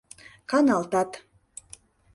каналтат